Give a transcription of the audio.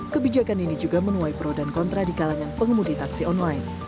kebijakan ini juga menuai pro dan kontra di kalangan pengemudi taksi online